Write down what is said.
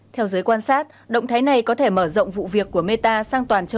theo giới quan sát động thái này có thể mở rộng vụ việc của meta sang toàn châu âu